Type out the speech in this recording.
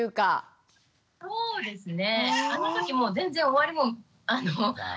そうですね。